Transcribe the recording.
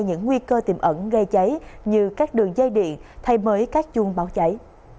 những nguy cơ tìm ẩn gây cháy như các đường dây điện thay mới các chuông bão cháy